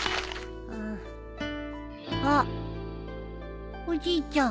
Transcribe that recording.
あっおじいちゃん。